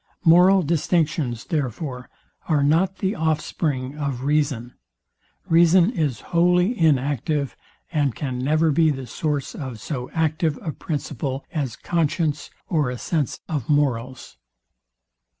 Moral distinctions, therefore, are not the offspring of reason. Reason is wholly inactive, and can never be the source of so active a principle as conscience, or a sense of morals.